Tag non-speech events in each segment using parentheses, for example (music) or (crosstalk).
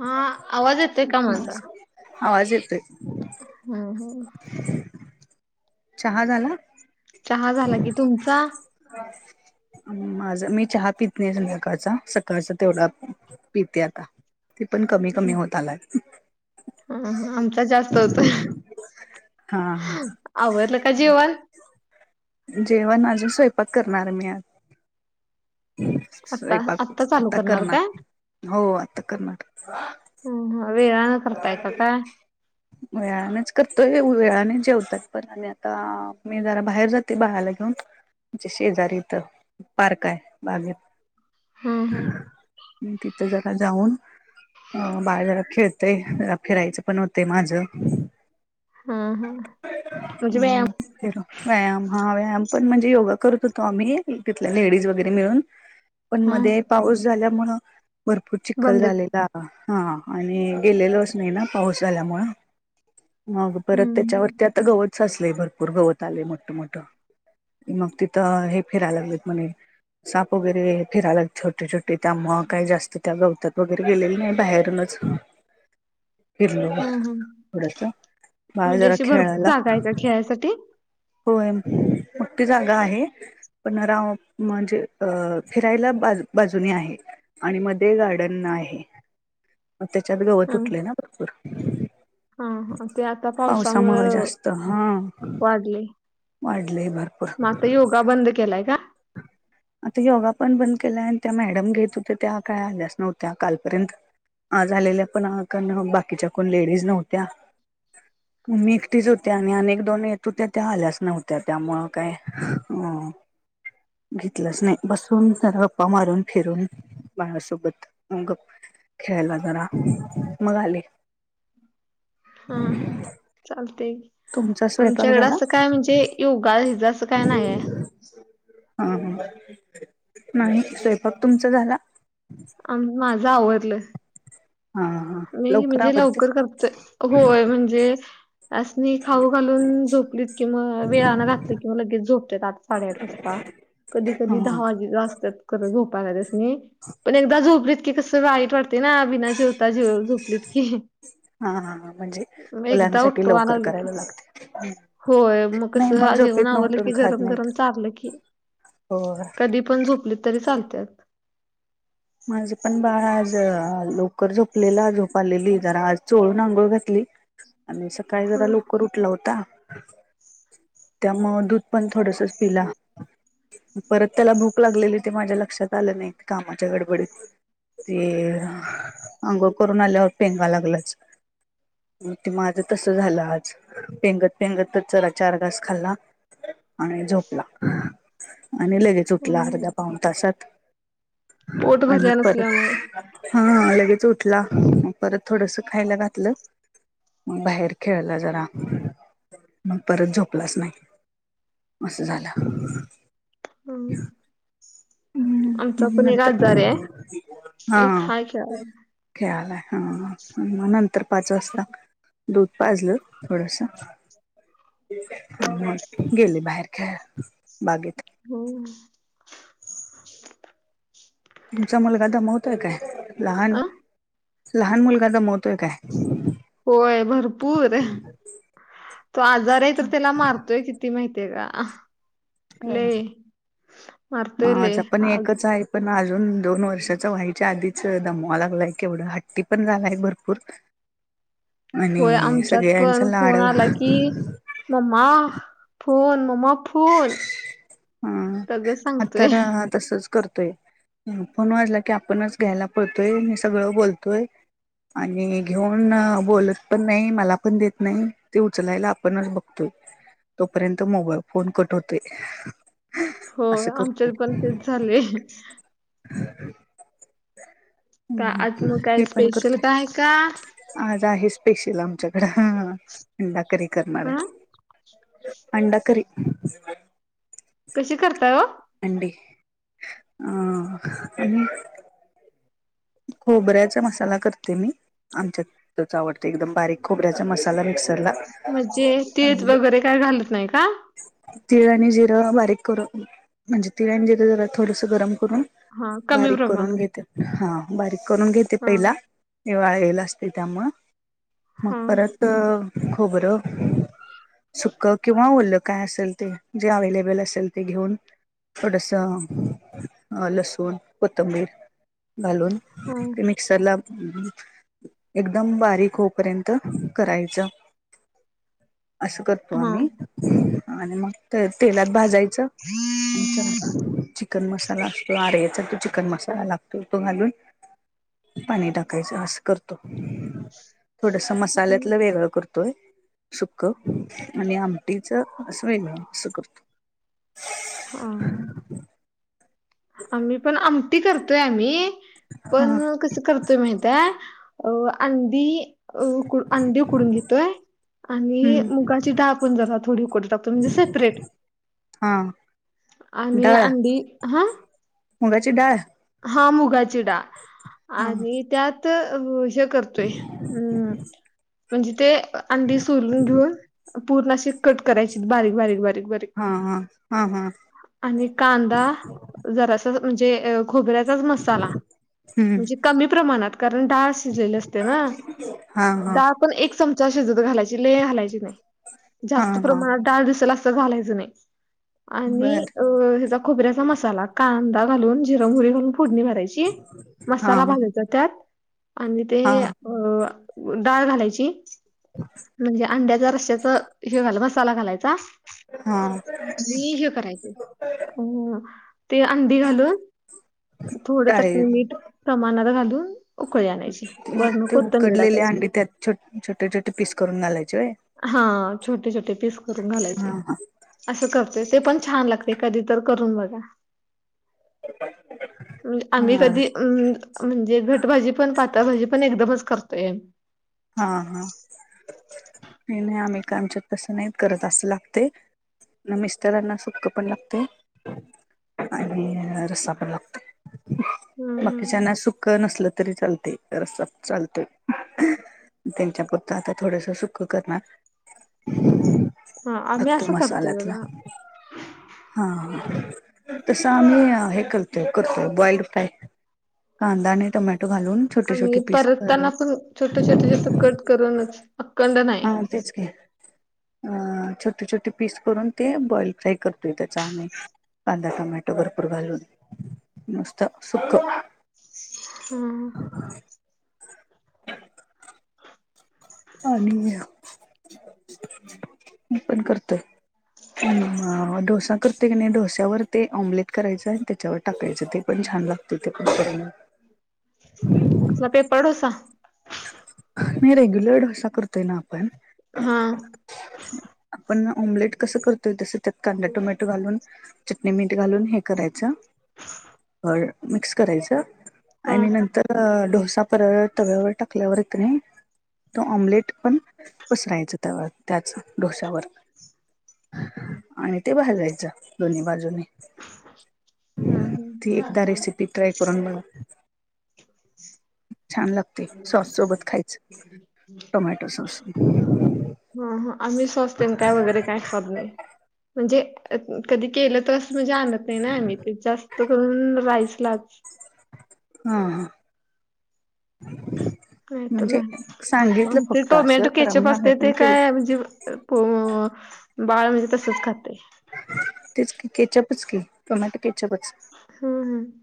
हा आवाज येते का म्हणता? नमस्कार आवाज येतोय नाही. चहा झाला? चहा झाला की तुमचा? बास. माझ मी चहा पित नाही संध्याकाळचा, सकाळचा तेवढा पिते आता. ते पण कमी-कमी होत आलाय. हा हाआमचा जास्त होतं हा आवरलं का जेवाण? जेवण अजून स्वयंपाक करणार आहे मी आज. आता स्वयंपाक आत्ता चालू आता काय? करणार. हो आता कर्नाटक. हं हं वेळानं करताय का काय? वेळानच करतोय वेळाने जेवतात पण आणि आता मी जरा बाहेर जाते बाळाला घेऊन. जे शेजारी इथं पार्क आहे बागेत. हं हं म तिथे जरा जाऊन अ बाळ जरा खेळते जरा फिरायचं पण होते माझं. हं हं म्हणजे व्यायाम हम्म तेलो. व्यायाम हा व्यायाम पण म्हणजे योगा करत होतो आम्ही तिथल्या लेडीज वगैरे मिळून. पण हं मध्ये पाऊस झाल्यामुळ भरपूर चिखल बंद हं झाले. दारा हा आणि गेलेलोच नाही ना पाऊस आल्यामुळं. मग परत हं त्याच्यावरती आता गवत साचलंय, भरपूर गवत आलंय मोठं मोठं. मग तिथं हे फिरायला लागलेत म्हणे. साप वगैरे फिरायल्यात छोटे छोटे. त्यामुळे काही जास्त त्या गवतात वगैरे गेलेले नाही. बाहेरूनच ह. फिरलो हं हं. थोडसं बाळ जरा खेळायला त्यासाठी होय मोठी जागा आहे. पन्ना राव म्हणजे अ फिरायला बाज बाजूने आहे. आणि मध्ये गार्डन आहे, मग त्याच्यात गव हं तुटले ना भरपूर. हं हं ते आता पावसामुळे जास्त हा. लागले. वाढलंंय फार. मग आता योगा बंद केलाय काय? ह आता योगा पण बंद केलाय. आणि त्या मॅडम घेत होते्या त्या काय आल्याच नव्हत्या कालपर्यंत. आ झालेल्या पण कारण बाकीच्या कोण लेडीज नव्हत्या. मम्मी एकटीच होते आणि अनेक दोन येत होत्या त्या आल्याच नव्हत्या त्यामुळं काय अ घेतलंच नाही बसून जरा पप्पा मारून फिरून. बाळासोबत मग खेळायला जरा मग आले. (inaudible) हा हा तुमचा चालतयं स्वयंपाक आमच्याकड झाला? अस काय म्हणजे योगा हिज असं काय नाहीये. हा ह नाही स्वयंपाक तुमचा झाला. आ माझं आवरलं. हा हा मीही म्हणजे आवरते? लवकर करते, होय म्हणजे त्यासनी खाऊ घालून झोपलीत कि, मग वेळानं घातले कि, मग लगेच झोपतेतआठ- साडेआठ वाजता. कधी हा कधी दहा वाजलेल असत्यात. खरं झोपायला त्यास्नी, पण एकदा झोपलीत की कसं वाईट वाटतंय ना बिन जेवता जेव झोपलीत की. हा हा म्हणजे मग एकदा मुलांसाठी उठवा लवकर लागलं की करायला लागतय ते. होय नाही मग कसं जेवण झोपेत न आवरलं उठून की खात गरम नाहीत गरम चारलं की हो. कधी पण झोपली तरी चालतेत. माझंपण बाळ आज लवकर झोपलेला, झोप आलेली, जरा आज चोळून आंघोळ घातली. आणि सकाळी जरा लवकर उठला होता. त्यामुळे दूध पण थोडसच पिला. परत त्याला भूक लागलेली ते माझ्या लक्षात आलं नाही कामात. च्या गडबडीत ते अंगोळ करून आल्यावर पेंगा लागलाच. ते माझं तसं झालं आज, पेंगत पेंगत तर चरा चार घास खाल्ला. आणि झोपला आणि लगेच उठला अर्धा पाऊणं तासात. पोट आणि भरल्या नसल्यामुळं परत हां लगेच उठला, परत थोडसं खायला घातलं. मग बाहेर खेळला जरा मग परत झोपलाच नाही. असं झालं. हम्म. आमचा मग पण एक नंतर आजारी हाय, हा एक हाय खेळालाय. खेळालाय हं मग नंतर पाच वाजता दूध पाजलं थोडसं. मग गेले बाहेर खेळायला बागेत. हम्म. तुमचा मुलगा दमवतोय काय लहान आ? -लहान मुलगा दमावतो काय? होय भरपूर. तो आजारी आहे तर त्याला मारतोय किती माहितीे का? होय. लय मारतोय लय माझा पण आज. एकच आहे पण अजून दोन वर्षाचा व्हायच्या आधीच दमावां लागलाय केवढा, हट्टी पण झालाय भरपूर. होय आणि आमच्यात सगळ्यांच पण लाड फोन आला की मम्मा फोन मम्मा फोनं. हां हां आता तर तसंच करतोय. हम्म, फोन वाजला की आपणच घ्यायला पळतोय, नि सगळं बोलतोय. आणि घेऊन बोलतपण नाय, मला पण देत नाय, ते उचलायला आपणच बघतुय. तोपर्यंत मोबाईल फोन कट होतोय. होय असं करतोय आमच्यात पण तेच झालंय. का आज मग काय हे पण स्पेशल करतोय. काय हाय का? आज आहे स्पेशल आमच्याकडं अंडाकरी करणार हा आहे. अंडाकरी. कशी करताय ओ? अंडी अं आणि खोबऱ्याचा मसाला करते मी, आमच्यात तोच आवडतोय एकदम बारीक. खोबऱ्याचा मसाला मिक्सरला म्हणजे तीळ वगैरे काय घालत नाही का तीळ आणि जिरं बारीक करून, म्हणजे तीळ आणि जिरं जरा थोडसं गरम करून हा कमी बारीक करून प्रमाणात घेते, हा बारीक करून घेते हा पहिला. ते वाळलेलं असतंय त्यामुळं मग हा परत खोबरं सुकं किंवा ओलं काय असेल ते. जे अवेलेबल असेल ते घेऊन थोडसं अ लसूण कोथंबीर घालून हा ते मिक्सरला (unintelligible) एकदम बारीक होऊपर्यंत करायचं. असं करतो हा आम्ही आणि मग ते तेलात भाजायचं आमच्यात तो चिकन मसाला असतो आर येचा तो चिकन मसाला लागतो तो घालून पाणी टाकायचं असं करतो, थोडसं मसाल्यातलं वेगळं करतोय. सुक्क आणि आमटीचं असं वेगळ असं करतोय. हा. आम्हीपण आम ती करतोय आम्ही, हा पण कसं करतोय माहिताय अ अंडी अ उकड अंडी उकडून घेतोय. आणि हम्म मुगाची डाळपण जरा थोडी उकडत टाकतोय, म्हणजे सेपरेट. हां. आणि अंडी हा मुगाची डाळ? हा मुगाची डाळ हा आणि त्यात हे कर फ्रेश अं म्हणजे ते अंडी सोलून घेऊन पूर्ण अशी कट करायची, बारीक बारीक बारीक बारीक. हा हा हा हा. जरासं म्हणजे खोबऱ्याचाच मसाला. हम्म म्हणजे कमी प्रमाणात कारण डाळ शिजलेली असते ना. हा हा डाळ पण एक चमचा शिजत घालायची लई घालायची नाही. हा जास्त हा प्रमाणात डाळ दिसलं असं घालायचं नाही. आणि बर अ हवेचा खोबऱ्याचा मसाला कांदा घालून जिऱ मोहरी घालून फोडणी भरायची, हा मसाला भाजायचा त्यात आणि ते हा अ डाळ घालायची. म्हणजे अंड्याच्या रस्स्याचं हे घाल मसाला घालायचा. हा णि हे करायचं अं ते अंडी घालून थोडं डाळी चटणी, मीठ प्रमाणात घालून उकळी आणायची. वरण ते कोथंबीर उकडलेले टाकायची अंडी त्यात छोट् छोटे छोटे पीस करून घालायचे व्हय? हां छोटे छोटे पीस करून हा घालायचे. हा असं करतोय ते पण छान लागतंय, कधीतर करून बघा. आम्ही हा कधी अ म्हणजे घटभाजी पण पातळभजी पण एकदमच करतोय. हा हा, नाही नाही आम्ही का आमच्यात तसं नाहीत करत असं लागतंय ना मिस्तरांना सुक्क पण लागते आणि रसा पण लागतोय. हम्म हम्म. बाकीच्याना सुक्क नसल तरी चालते, रस्सा चालतोय. त्यांच्या पुरत आता थोडस सुख करणार. हा आम्ही फक्त असं करतोय मसाल्यातला. बघा. हा तस आम्ही हे करतोय करतोय बॉइल्ड फ्राय. कांदा आणि टोमॅटो घालून छोटे आणि छोटे पीस परतताना करून पण, छोटे छोटे छोटं कट करूनच. अखंड नाही. हा तेच की अ छोटे छोटे पीस करून, ते बॉइल फ्राय करतोय त्याचा आम्ही. कांदा, टोमाटो भरपूर खालून नुस्त सुखं. हम्म. आणि मी पण करतोय. डोसा करतय की नाही डोस्यावर ते ऑम्लेट करायचं आणि त्याच्यावर टाकायचं ते पण छान लागते ते पण करायल कसा पेपर डोसा? नाही रेग्युलर डोसा करतोय ना आपण हा आपण ऑमलेट कसं करतोय तस त्यात कांदा टोमॅटो घालून. चटणी मीठ घालून हे करायचं. मिक्स करायचं हा आणि नंतर डोसा परत तव्यावर टाक टाकल्यावर की नाही. त ऑमलेट पण पसरायचं त्यावर त्याच डोस्यावर. आणि ते भाजायच दोन्ही बाजूने. हा ती एकदा रेसिपी ट्राय करून बगा. छान लागते. सॉससोबत खायचं, टोमॅटो सॉस. हा आम्ही स्वस्त काय वगैरे काय खब नाही म्हणजे कधी केलं त म्हणजे आणत ना आम्ही ते जास्त करून राईसलाच. हा हा. (inaudible) नाही तर म्हणजे नाही, सांगितलं मग ते फक्त असं टोमॅटो करा केचप म्हणून आम्ही असते पण ते केलं काय म्हणजे. पोमो बाळ म्हणजे तसच खातय. तेच की केचपच की टोमॅटो केचपच. हम्म हम्म.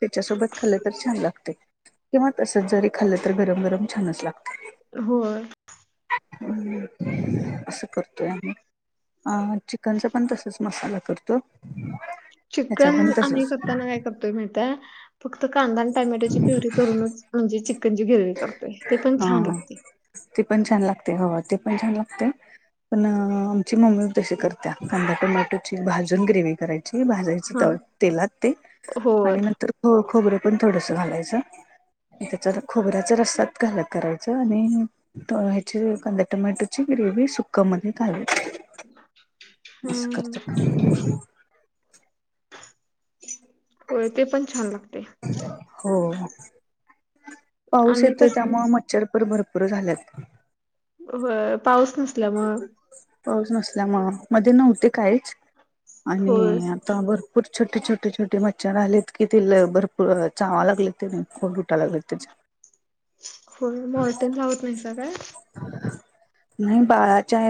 त्याच्यासोबत खाल्लं तर छान लागते किंवा तसच जरी खाल्लं तर गरम गरम छानच लागतंय. होय. हम्म असं करतोय आम्ही. अ चिकनचा पण तसंच मसाला करतो. ह्याचा चिकन पण आम्ही तसच करताना काय करतोय माहितय? फक्त कांदा आणि टोमॅटोची प्युरी करूनच म्हणजे चिकनची गिरवी करतोय ते पण छान हा लागते. ते पण छान लागते हो ते पण छान लागते. पण आमची मम्मी तशी करत्या कांदा टोमॅटोची भाजून ग्रेव करायची भा हा तेलात ते होय आणि नंतर खोबरे पण थोडस घालायचं. एकाच्या खोबऱ्याचा रस्तात घालक करायचं आणि. तवा ह्याची कांदा टोमॅटोची ग्रेव्ही ही सुकामध्ये घालयची. (inaudible) असं हम्म करत का? होय ते पण छान लागते. हो. पाऊस आम्ही येतोय तस त्यामुळं मच्छर पण भरपूर झाल्यात. होय पाऊस नसल्यामुळं. पाऊस नसल्यामुळं मध्ये नव्हते काहीच होय आणि आता भर भरपूर छोटे छोटे छोटे मच्छर आलेत, की तिला भरपूर चावा लागले ते फोड उठाय लागलेत तेचे. (inaudible) होय मॉर्टेन लावत नाहीसा काय? नाही बाळाच्या